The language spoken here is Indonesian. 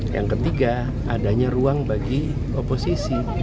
yang ketiga adanya ruang bagi oposisi